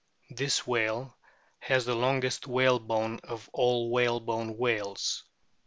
This whale has the longest whalebone of all the whalebone whales.